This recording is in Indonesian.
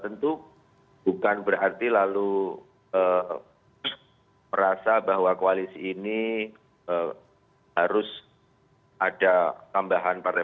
tentu bukan berarti lalu merasa bahwa koalisi ini harus ada tambahan partai